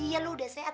iya lu udah sehat